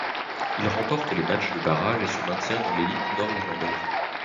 Il remporte les matchs de barrage et se maintient dans l’élite nord-irlandaise.